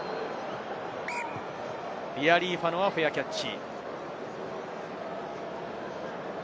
リアリーファノはフェアキャッチ。